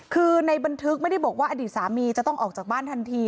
คือในบันทึกไม่ได้บอกว่าอดีตสามีจะต้องออกจากบ้านทันที